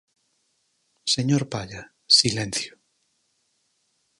Señor Palla, silencio.